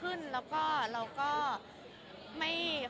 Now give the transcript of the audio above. อเรนนี่ปุ๊ปอเรนนี่ปุ๊ป